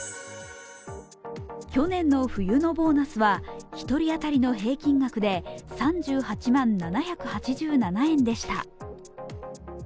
去年の冬のボーナスは１人当たりの平均額で３８万７８７円でした。